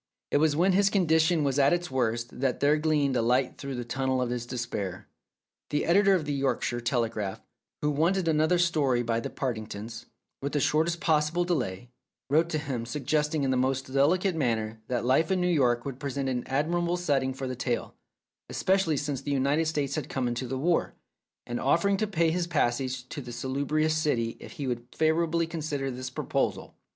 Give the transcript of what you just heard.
It was when his condition was at its worst that there gleamed a light through the tunnel of his despair. The editor of the Yorkshire Telegraph, who wanted another story by the Partingtons, with the shortest possible delay, wrote to him suggesting in the most delicate manner that life in New York would present an admirable setting for a tale, especially since the United States had come into the war, and offer ing to pay his passage to that salubrious city if he would favourably consider this proposal.